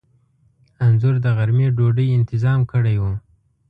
انځور د غرمې ډوډۍ انتظام کړی و.